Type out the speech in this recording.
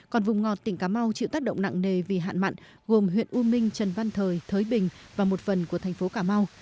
còn vùng ngọt tỉnh cà mau chịu tác động nặng nề vì hạn mặn gồm huyện u minh trần văn thời thới bình và một phần của thành phố cà mau